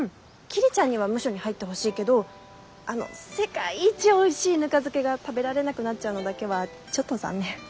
桐ちゃんにはムショに入ってほしいけどあの世界一おいしいぬか漬けが食べられなくなっちゃうのだけはちょっと残念。